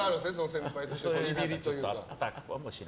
先輩としてのいびりというか。